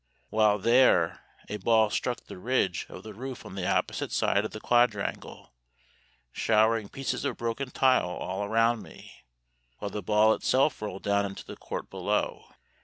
While there a ball struck the ridge of the roof on the opposite side of the quadrangle, showering pieces of broken tile all around me, while the ball itself rolled down into the court below.